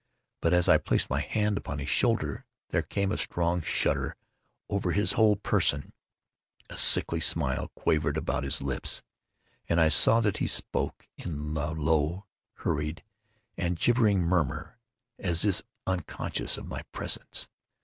But, as I placed my hand upon his shoulder, there came a strong shudder over his whole person; a sickly smile quivered about his lips; and I saw that he spoke in a low, hurried, and gibbering murmur, as if unconscious of my presence.